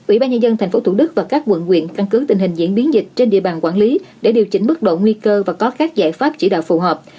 ubnd tp hcm và các quận quyện căn cứ tình hình diễn biến dịch trên địa bàn quản lý để điều chỉnh mức độ nguy cơ và có các giải pháp chỉ đạo phù hợp